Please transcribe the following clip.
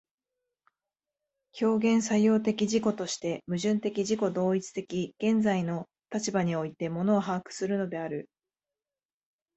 表現作用的自己として、矛盾的自己同一的現在の立場において物を把握するのである。